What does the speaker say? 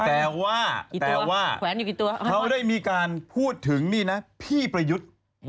แต่ว่าแต่ว่าเขาได้มีการพูดถึงนี่นะพี่ประยุทธ์